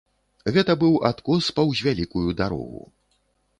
Гэта быў адкос паўз вялікую дарогу.